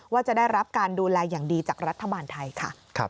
ว่าจะได้รับการดูแลอย่างดีจากรัฐบาลไทยค่ะ